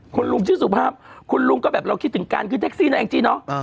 คุณลุงก็แบบเราคิดถึงกานคมคือแท็กซี่นะจริงเนาะ